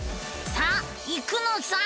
さあ行くのさ！